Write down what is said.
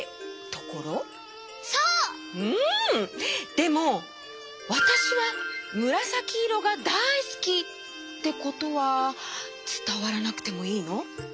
でも「わたしはむらさきいろがだいすき」ってことはつたわらなくてもいいの？